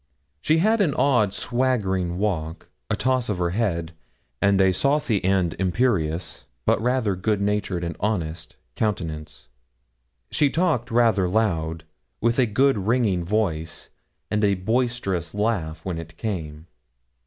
She had an odd swaggering walk, a toss of her head, and a saucy and imperious, but rather good natured and honest countenance. She talked rather loud, with a good ringing voice, and a boisterous laugh when it came.